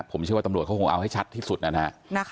ผมเชื่อว่าตำรวจเขาคงเอาให้ชัดที่สุดนะฮะ